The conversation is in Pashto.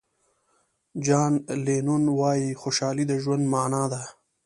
جان لینون وایي خوشحالي د ژوند معنا ده.